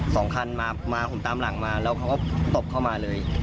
สองคันมาผมตามหลังมาแล้วเขาก็ตบเข้ามาเลย